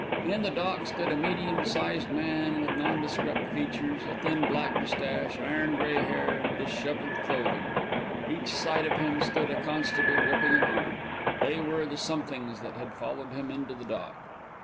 In the dock stood a medium sized man with nondescript features, a thin black moustache, iron grey hair, and dishevelled clothing. Each side of him stood a constable gripping an arm they were the somethings that had followed him into the dock.